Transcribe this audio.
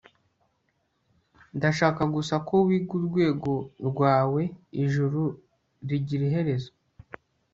ndashaka gusa ko wiga urwego rwaweijuru ntirigira iherezo